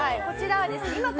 こちらはですね